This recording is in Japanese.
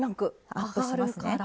アップしますね。